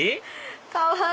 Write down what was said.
かわいい！